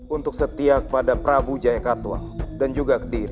untuk setia kepada prabu jayakatwa dan juga kediri